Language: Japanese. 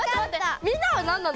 みんなは何なの？